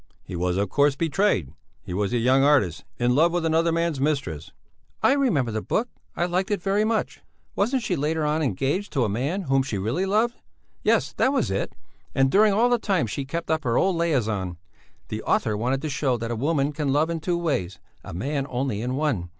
"He was, of course, betrayed. He was a young artist, in love with another man's mistress...." "I remember the book; I liked it very much. Wasn't she later on engaged to a man whom she really loved? Yes, that was it, and during all the time she kept up her old liaison. The author wanted to show that a woman can love in two ways; a man only in one.